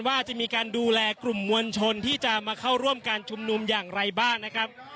ว่าจะมีการดูแลกลุ่มมวลชนที่จะมาเข้าร่วมการชุมนุมอย่างไรบ้างนะครับ